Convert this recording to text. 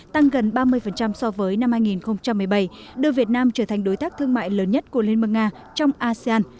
tăng gần ba mươi so với năm hai nghìn một mươi bảy đưa việt nam trở thành đối tác thương mại lớn nhất của liên bang nga trong asean